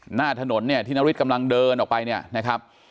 หน้าถนนเนี่ยที่นฤทธิกำลังเดินออกไปเนี่ยนะครับ